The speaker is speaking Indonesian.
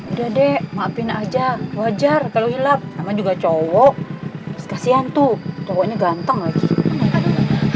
udah dek maafin aja wajar kalau hilang sama juga cowok kasian tuh cowoknya ganteng lagi